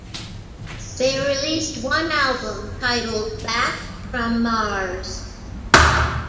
They released one album titled "Back From Mars".